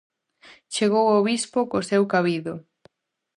Chegou o bispo co seu cabido.